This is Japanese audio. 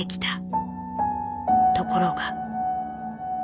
ところが。